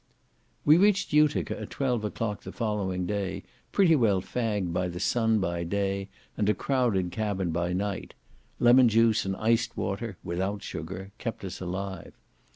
We reached Utica at twelve o'clock the following day, pretty well fagged by the sun by day, and a crowded cabin by night; lemon juice and iced water (without sugar) kept us alive.